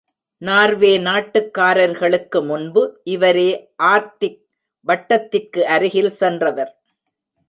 Norway நாட்டுக்காரர்களுக்கு முன்பு, இவரே ஆர்க்டிக் வட்டத்திற்கு அருகில் சென்றவர்.